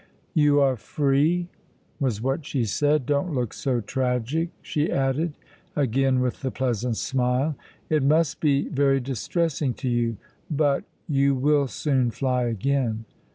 "You are free," was what she said. "Don't look so tragic," she added, again with the pleasant smile. "It must be very distressing to you, but you will soon fly again."